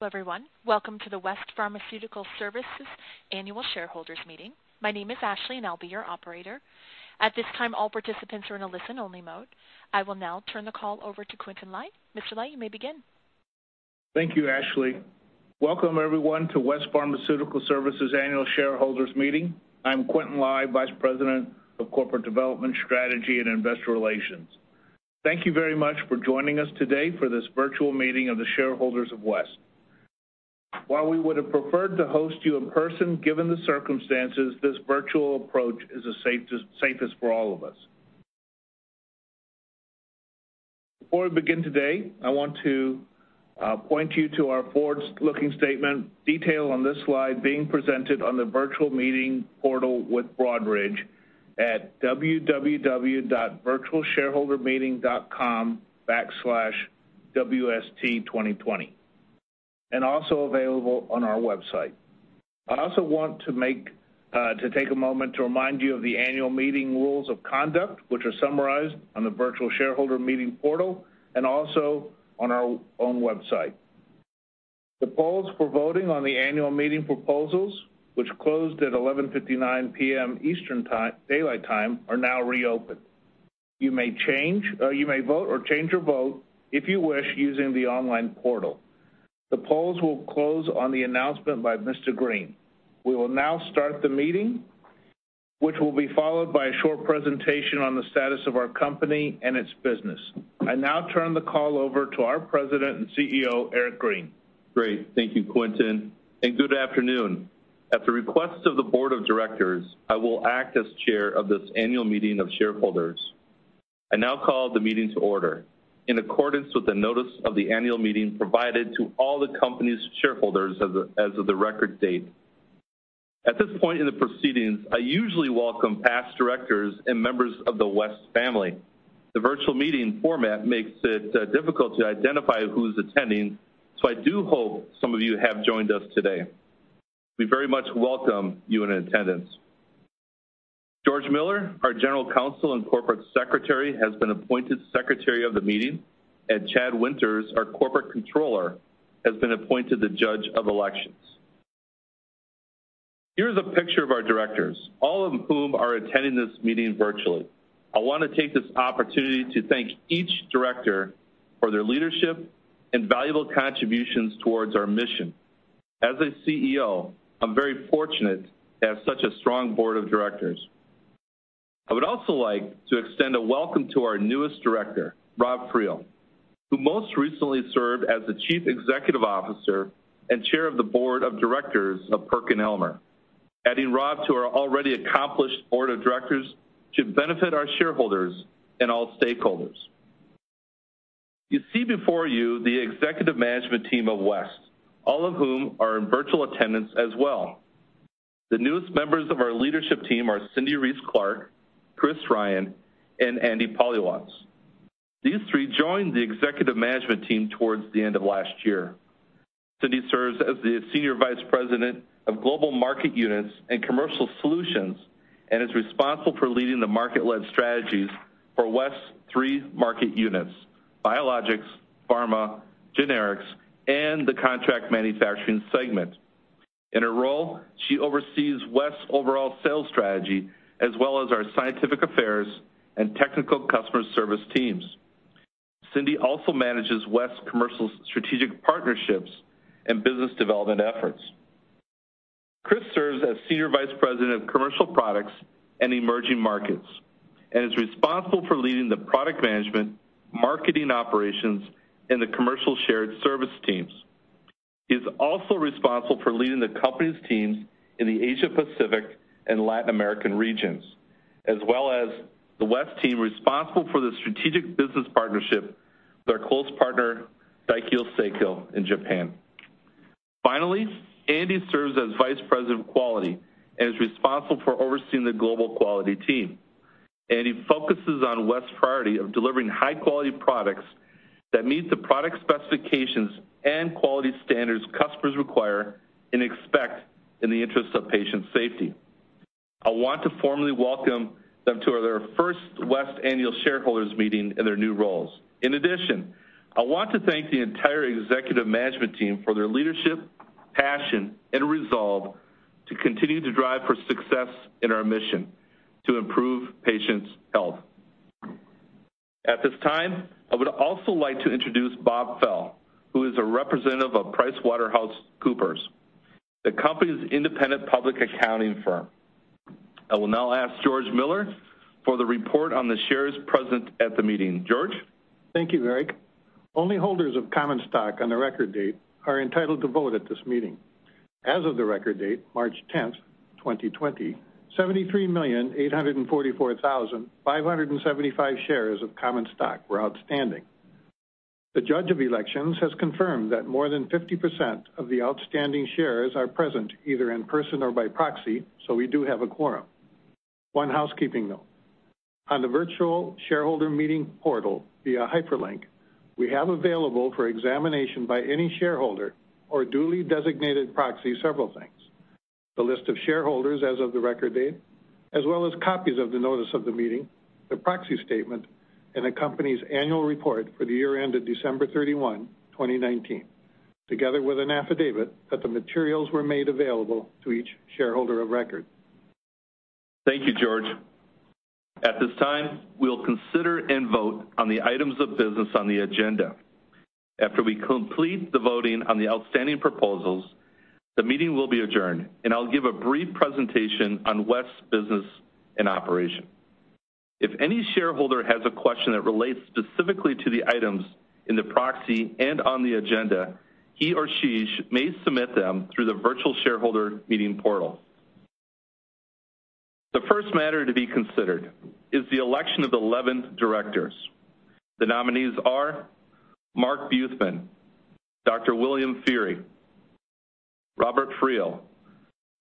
Hello, everyone. Welcome to the West Pharmaceutical Services Annual Shareholders Meeting. My name is Ashley, and I'll be your operator. At this time, all participants are in a listen-only mode. I will now turn the call over to Quintin Lai. Mr. Lai, you may begin. Thank you, Ashley. Welcome, everyone, to West Pharmaceutical Services Annual Shareholders Meeting. I'm Quintin Lai, Vice President of Corporate Development, Strategy, and Investor Relations. Thank you very much for joining us today for this virtual meeting of the shareholders of West. While we would have preferred to host you in person, given the circumstances, this virtual approach is the safest for all of us. Before we begin today, I want to point you to our forward-looking statement detailed on this slide being presented on the virtual meeting portal with Broadridge at www.virtualshareholdermeeting.com/wst2020, and also available on our website. I also want to take a moment to remind you of the annual meeting rules of conduct, which are summarized on the virtual shareholder meeting portal and also on our own website. The polls for voting on the annual meeting proposals, which closed at 11:59 P.M. Eastern Daylight Time, are now reopened. You may vote or change your vote if you wish using the online portal. The polls will close on the announcement by Mr. Green. We will now start the meeting, which will be followed by a short presentation on the status of our company and its business. I now turn the call over to our President and CEO, Eric Green. Great. Thank you, Quintin. And good afternoon. At the request of the Board of Directors, I will act as Chair of this annual meeting of shareholders. I now call the meeting to order in accordance with the notice of the annual meeting provided to all the company's shareholders as of the record date. At this point in the proceedings, I usually welcome past directors and members of the West family. The virtual meeting format makes it difficult to identify who's attending, so I do hope some of you have joined us today. We very much welcome you in attendance. George Miller, our General Counsel and Corporate Secretary, has been appointed Secretary of the Meeting, and Chad Winters, our Corporate Controller, has been appointed the Judge of Elections. Here is a picture of our directors, all of whom are attending this meeting virtually. I want to take this opportunity to thank each director for their leadership and valuable contributions towards our mission. As a CEO, I'm very fortunate to have such a strong Board of Directors. I would also like to extend a welcome to our newest Director, Rob Friel, who most recently served as the Chief Executive Officer and Chair of the Board of Directors of PerkinElmer. Adding Rob to our already accomplished board of directors should benefit our shareholders and all stakeholders. You see before you the executive management team of West, all of whom are in virtual attendance as well. The newest members of our leadership team are Cindy Reiss-Clark, Chris Ryan, and Andy Polywacz. These three joined the executive management team towards the end of last year. Cindy serves as the Senior Vice President of Global Market Units and Commercial Solutions and is responsible for leading the market-led strategies for West's three market units: Biologics, Pharma, Generics, and the contract manufacturing segment. In her role, she oversees West's overall sales strategy as well as our scientific affairs and technical customer service teams. Cindy also manages West's commercial strategic partnerships and business development efforts. Chris serves as Senior Vice President of Commercial Products and Emerging Markets and is responsible for leading the product management, marketing operations, and the commercial shared service teams. He is also responsible for leading the company's teams in the Asia-Pacific and Latin American regions, as well as the West team responsible for the strategic business partnership with our close partner, Daikyo Seiko, in Japan. Finally, Andy serves as Vice President of Quality and is responsible for overseeing the global quality team. Andy focuses on West's priority of delivering high-quality products that meet the product specifications and quality standards customers require and expect in the interest of patient safety. I want to formally welcome them to their first West annual shareholders meeting in their new roles. In addition, I want to thank the entire executive management team for their leadership, passion, and resolve to continue to drive for success in our mission to improve patients' health. At this time, I would also like to introduce Bob Fell, who is a representative of PricewaterhouseCoopers, the company's independent public accounting firm. I will now ask George Miller for the report on the shares present at the meeting. George. Thank you, Eric. Only holders of common stock on the record date are entitled to vote at this meeting. As of the record date, March 10th, 2020, 73,844,575 shares of common stock were outstanding. The Judge of Elections has confirmed that more than 50% of the outstanding shares are present either in person or by proxy, so we do have a quorum. One housekeeping, though. On the virtual shareholder meeting portal via hyperlink, we have available for examination by any shareholder or duly designated proxy several things: the list of shareholders as of the record date, as well as copies of the notice of the meeting, the proxy statement, and the company's annual report for the year ended December 31, 2019, together with an affidavit that the materials were made available to each shareholder of record. Thank you, George. At this time, we'll consider and vote on the items of business on the agenda. After we complete the voting on the outstanding proposals, the meeting will be adjourned, and I'll give a brief presentation on West's business and operation. If any shareholder has a question that relates specifically to the items in the proxy and on the agenda, he or she may submit them through the virtual shareholder meeting portal. The first matter to be considered is the election of 11 directors. The nominees are Mark Buthman, Dr. William Feehery, Robert Friel,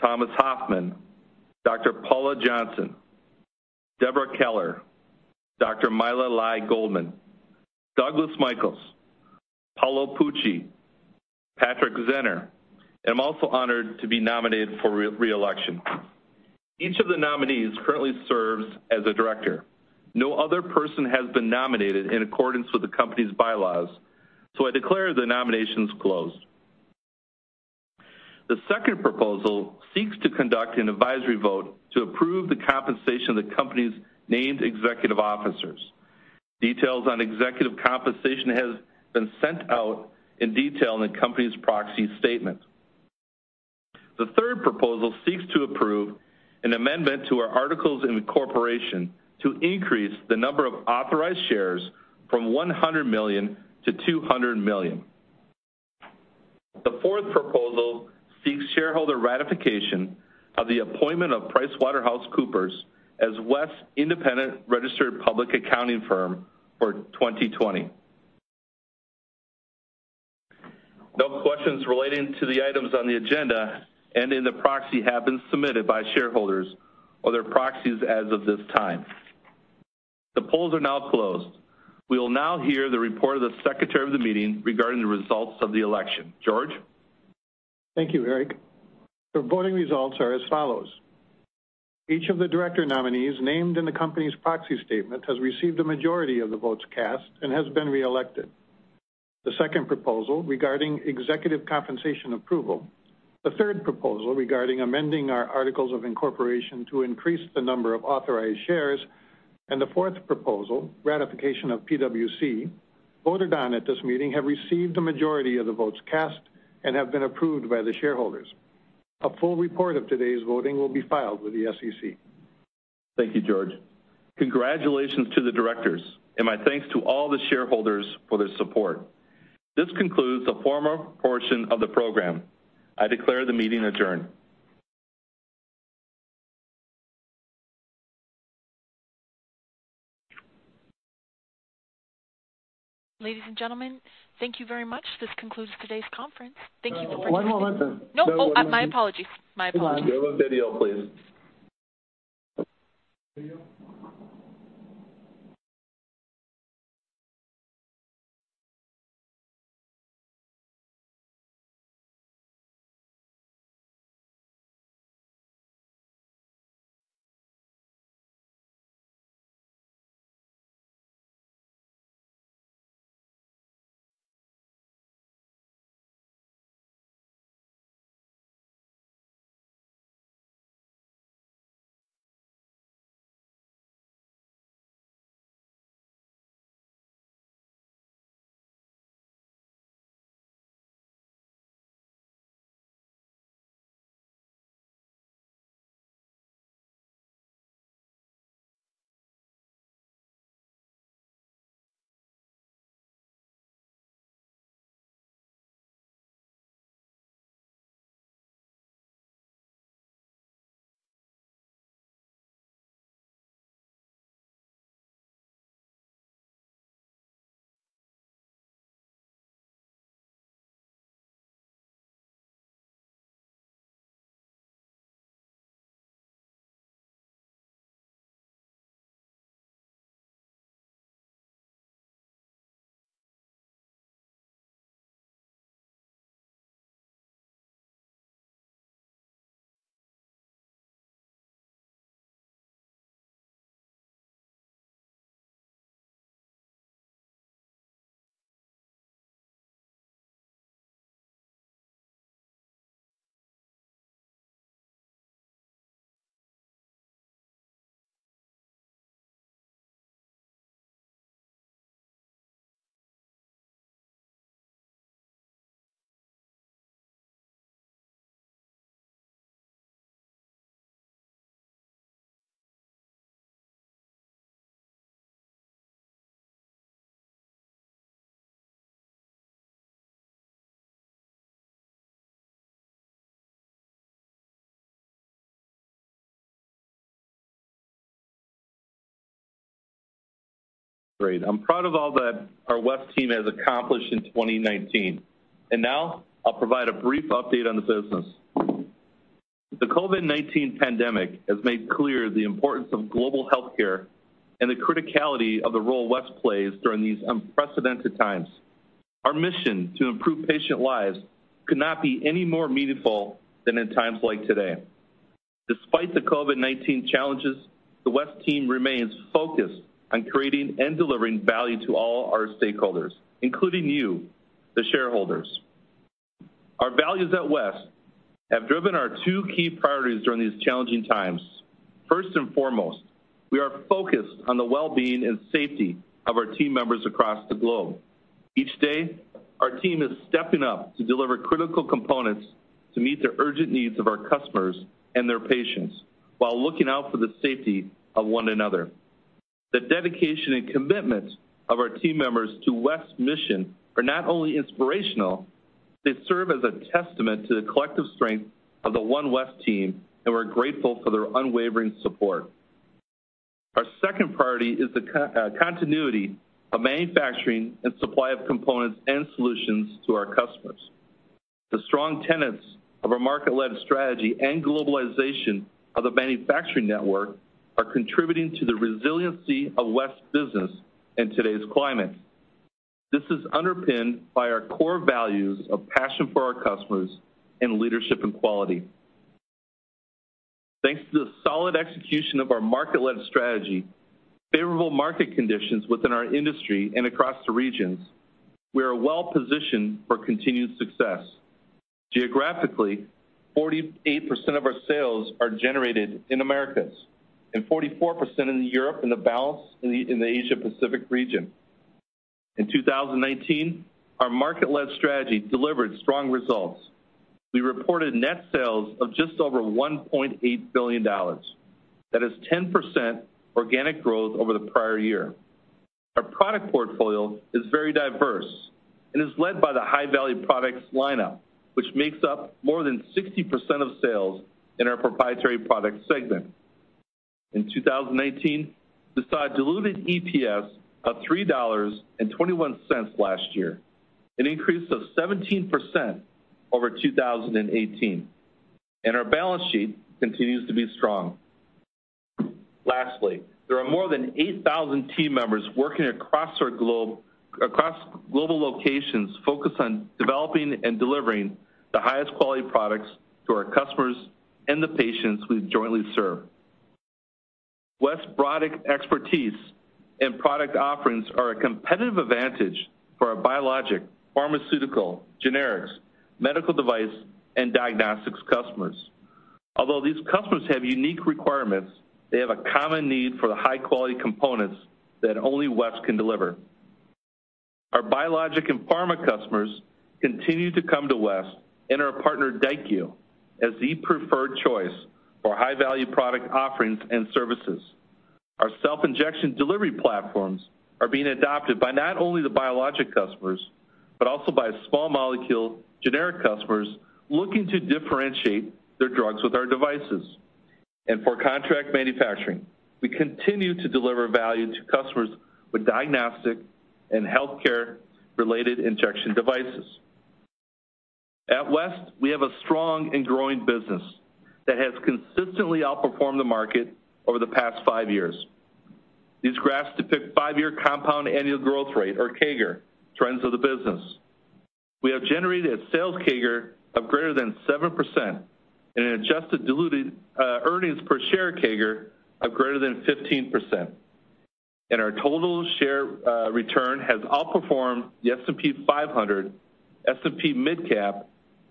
Thomas Hofmann, Dr. Paula Johnson, Deborah Keller, Dr. Myla Lai-Goldman, Douglas Michels, Paolo Pucci, Patrick J. Zenner, and I'm also honored to be nominated for reelection. Each of the nominees currently serves as a director. No other person has been nominated in accordance with the company's bylaws, so I declare the nominations closed. The second proposal seeks to conduct an advisory vote to approve the compensation of the company's named executive officers. Details on executive compensation have been sent out in detail in the company's proxy statement. The third proposal seeks to approve an amendment to our articles of incorporation to increase the number of authorized shares from 100 million to 200 million. The fourth proposal seeks shareholder ratification of the appointment of PricewaterhouseCoopers as West's independent registered public accounting firm for 2020. No questions relating to the items on the agenda and in the proxy have been submitted by shareholders or their proxies as of this time. The polls are now closed. We will now hear the report of the Secretary of the Meeting regarding the results of the election. George? Thank you, Eric. The voting results are as follows. Each of the director nominees named in the company's proxy statement has received a majority of the votes cast and has been reelected. The second proposal regarding executive compensation approval, the third proposal regarding amending our articles of incorporation to increase the number of authorized shares, and the fourth proposal, ratification of PwC, voted on at this meeting have received a majority of the votes cast and have been approved by the shareholders. A full report of today's voting will be filed with the SEC. Thank you, George. Congratulations to the directors and my thanks to all the shareholders for their support. This concludes the formal portion of the program. I declare the meeting adjourned. Ladies and gentlemen, thank you very much. This concludes today's conference. Thank you for participating. One moment, then. No, my apologies. My apologies. Give us video, please. Great. I'm proud of all that our West team has accomplished in 2019. And now I'll provide a brief update on the business. The COVID-19 pandemic has made clear the importance of global healthcare and the criticality of the role West plays during these unprecedented times. Our mission to improve patient lives could not be any more meaningful than in times like today. Despite the COVID-19 challenges, the West team remains focused on creating and delivering value to all our stakeholders, including you, the shareholders. Our values at West have driven our two key priorities during these challenging times. First and foremost, we are focused on the well-being and safety of our team members across the globe. Each day, our team is stepping up to deliver critical components to meet the urgent needs of our customers and their patients while looking out for the safety of one another. The dedication and commitment of our team members to West's mission are not only inspirational. They serve as a testament to the collective strength of the One West Team, and we're grateful for their unwavering support. Our second priority is the continuity of manufacturing and supply of components and solutions to our customers. The strong tenets of our market-led strategy and globalization of the manufacturing network are contributing to the resiliency of West's business in today's climate. This is underpinned by our core values of passion for our customers and leadership in quality. Thanks to the solid execution of our market-led strategy, favorable market conditions within our industry, and across the regions, we are well-positioned for continued success. Geographically, 48% of our sales are generated in the Americas and 44% in Europe and the balance in the Asia-Pacific region. In 2019, our market-led strategy delivered strong results. We reported net sales of just over $1.8 billion. That is 10% organic growth over the prior year. Our product portfolio is very diverse and is led by the high-value products lineup, which makes up more than 60% of sales in our proprietary product segment. In 2019, we saw a Diluted EPS of $3.21 last year, an increase of 17% over 2018. And our balance sheet continues to be strong. Lastly, there are more than 8,000 team members working across our global locations focused on developing and delivering the highest quality products to our customers and the patients we jointly serve. West's broad expertise and product offerings are a competitive advantage for our biologic, pharmaceutical, generics, medical device, and diagnostics customers. Although these customers have unique requirements, they have a common need for the high-quality components that only West can deliver. Our biologic and pharma customers continue to come to West and our partner, Daikyo, as the preferred choice for high-value product offerings and services. Our self-injection delivery platforms are being adopted by not only the biologic customers but also by small molecule generic customers looking to differentiate their drugs with our devices, and for contract manufacturing, we continue to deliver value to customers with diagnostic and healthcare-related injection devices. At West, we have a strong and growing business that has consistently outperformed the market over the past five years. These graphs depict five-year compound annual growth rate, or CAGR, trends of the business. We have generated a sales CAGR of greater than 7% and an adjusted diluted earnings per share CAGR of greater than 15%. Our total share return has outperformed the S&P 500, S&P MidCap,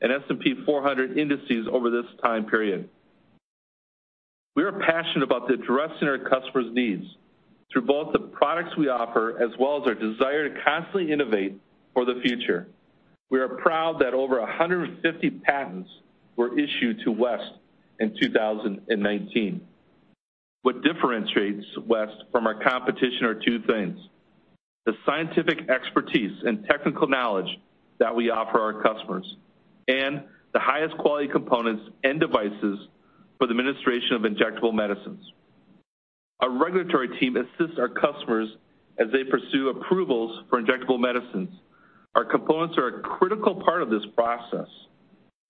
and S&P 400 indices over this time period. We are passionate about addressing our customers' needs through both the products we offer as well as our desire to constantly innovate for the future. We are proud that over 150 patents were issued to West in 2019. What differentiates West from our competition are two things: the scientific expertise and technical knowledge that we offer our customers and the highest quality components and devices for the administration of injectable medicines. Our regulatory team assists our customers as they pursue approvals for injectable medicines. Our components are a critical part of this process,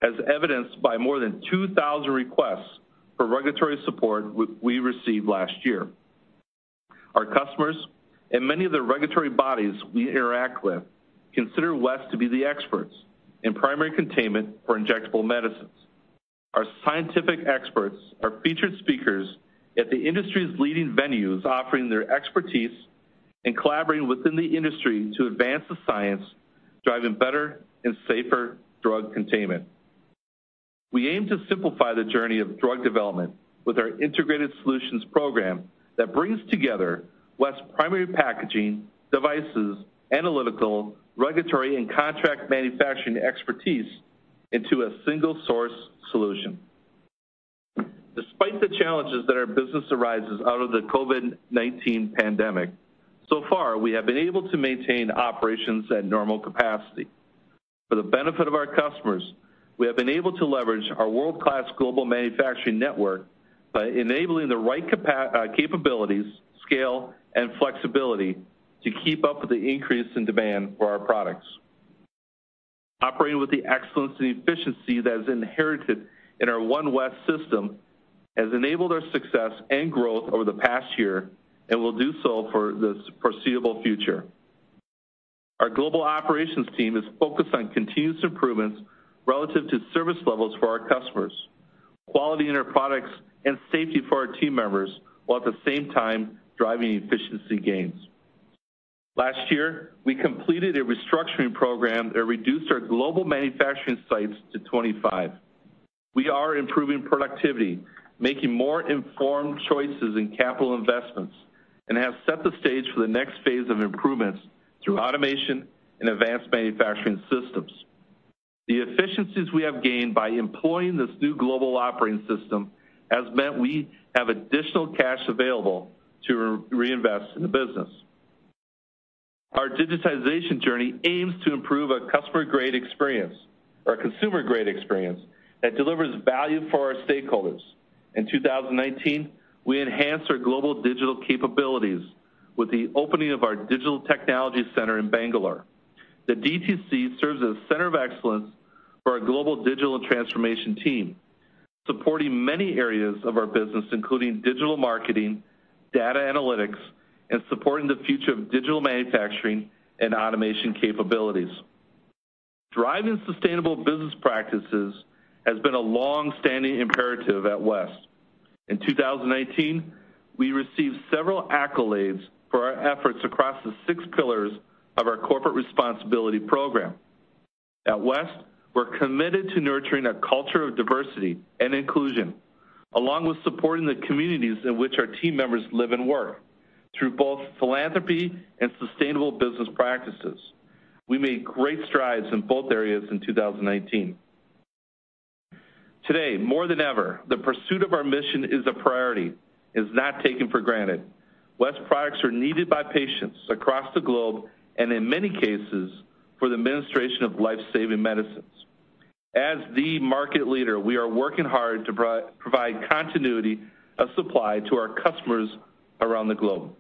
as evidenced by more than 2,000 requests for regulatory support we received last year. Our customers and many of the regulatory bodies we interact with consider West to be the experts in primary containment for injectable medicines. Our scientific experts are featured speakers at the industry's leading venues, offering their expertise and collaborating within the industry to advance the science, driving better and safer drug containment. We aim to simplify the journey of drug development with our Integrated Solutions Program that brings together West's primary packaging, devices, analytical, regulatory, and contract manufacturing expertise into a single-source solution. Despite the challenges that our business arises out of the COVID-19 pandemic, so far, we have been able to maintain operations at normal capacity. For the benefit of our customers, we have been able to leverage our world-class global manufacturing network by enabling the right capabilities, scale, and flexibility to keep up with the increase in demand for our products. Operating with the excellence and efficiency that is inherited in our One West system has enabled our success and growth over the past year and will do so for the foreseeable future. Our global operations team is focused on continuous improvements relative to service levels for our customers, quality in our products, and safety for our team members while at the same time driving efficiency gains. Last year, we completed a restructuring program that reduced our global manufacturing sites to 25. We are improving productivity, making more informed choices in capital investments, and have set the stage for the next phase of improvements through automation and advanced manufacturing systems. The efficiencies we have gained by employing this new global operating system have meant we have additional cash available to reinvest in the business. Our digitization journey aims to improve a customer-grade experience, or a consumer-grade experience, that delivers value for our stakeholders. In 2019, we enhanced our global digital capabilities with the opening of our Digital Technology Center in Bangalore. The DTC serves as a center of excellence for our global digital transformation team, supporting many areas of our business, including digital marketing, data analytics, and supporting the future of digital manufacturing and automation capabilities. Driving sustainable business practices has been a long-standing imperative at West. In 2019, we received several accolades for our efforts across the six pillars of our corporate responsibility program. At West, we're committed to nurturing a culture of diversity and inclusion, along with supporting the communities in which our team members live and work through both philanthropy and sustainable business practices. We made great strides in both areas in 2019. Today, more than ever, the pursuit of our mission is a priority and is not taken for granted. West products are needed by patients across the globe and, in many cases, for the administration of life-saving medicines. As the market leader, we are working hard to provide continuity of supply to our customers around the globe.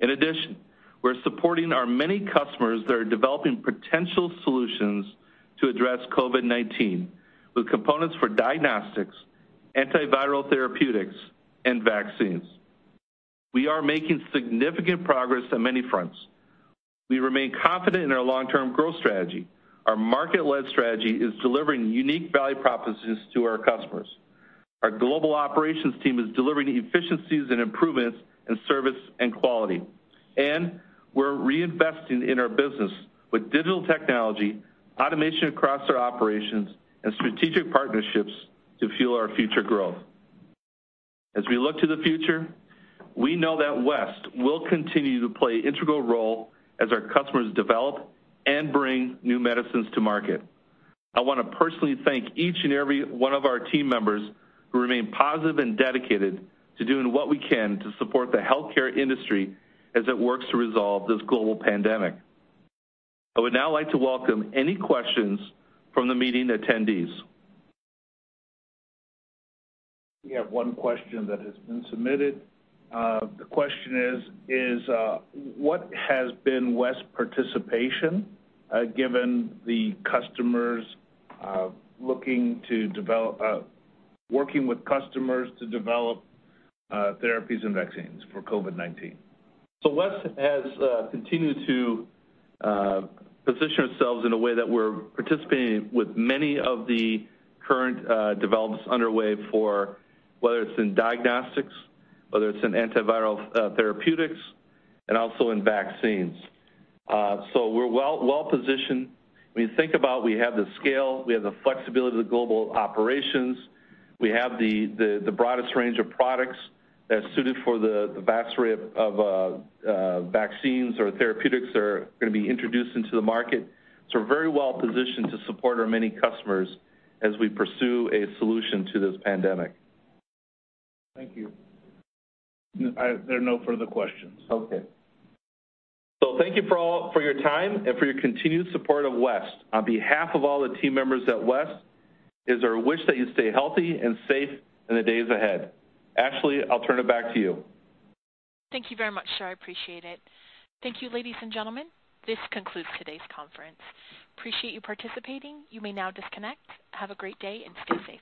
In addition, we're supporting our many customers that are developing potential solutions to address COVID-19 with components for diagnostics, antiviral therapeutics, and vaccines. We are making significant progress on many fronts. We remain confident in our long-term growth strategy. Our market-led strategy is delivering unique value propositions to our customers. Our global operations team is delivering efficiencies and improvements in service and quality. And we're reinvesting in our business with digital technology, automation across our operations, and strategic partnerships to fuel our future growth. As we look to the future, we know that West will continue to play an integral role as our customers develop and bring new medicines to market. I want to personally thank each and every one of our team members who remain positive and dedicated to doing what we can to support the healthcare industry as it works to resolve this global pandemic. I would now like to welcome any questions from the meeting attendees. We have one question that has been submitted. The question is, what has been West's participation given the customers working with customers to develop therapies and vaccines for COVID-19? So West has continued to position ourselves in a way that we're participating with many of the current developments underway for whether it's in diagnostics, whether it's in antiviral therapeutics, and also in vaccines. So we're well-positioned. When you think about it, we have the scale, we have the flexibility of the global operations, we have the broadest range of products that are suited for the vast array of vaccines or therapeutics that are going to be introduced into the market. So we're very well-positioned to support our many customers as we pursue a solution to this pandemic. Thank you. There are no further questions. Okay. Thank you for your time and for your continued support of West. On behalf of all the team members at West, it is our wish that you stay healthy and safe in the days ahead. Ashley, I'll turn it back to you. Thank you very much, sir. I appreciate it. Thank you, ladies and gentlemen. This concludes today's conference. Appreciate you participating. You may now disconnect. Have a great day and stay safe.